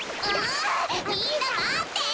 みんなまって！